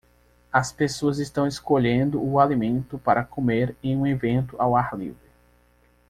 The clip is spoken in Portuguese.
As pessoas estão escolhendo o alimento para comer em um evento ao ar livre